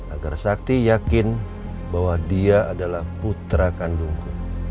agar sakti yakin bahwa dia adalah putra kandungku